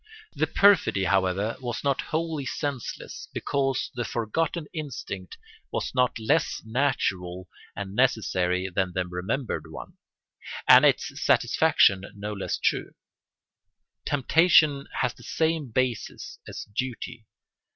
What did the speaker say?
The perfidy, however, was not wholly senseless, because the forgotten instinct was not less natural and necessary than the remembered one, and its satisfaction no less true. Temptation has the same basis as duty.